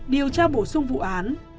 điều tra bổ sung vụ án